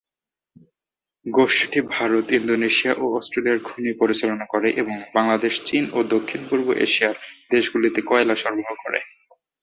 গোষ্ঠীটি Bharat, Indonesia ও অস্ট্রেলিয়ায় খনি পরিচালনা করে এবং বাংলাদেশ, চীন ও দক্ষিণ-পূর্ব এশিয়ার দেশগুলিতে কয়লা সরবরাহ করে।